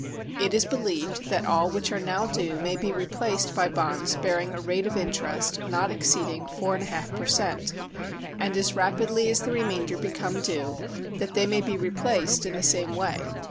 It is believed that all which are now due may be replaced by bonds bearing a rate of interest not exceeding 4 1/2 per cent, and as rapidly as the remainder become due that they may be replaced in the same way.